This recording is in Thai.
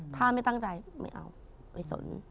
ถ้าไม่ตั้งใจไม่เอาไปสน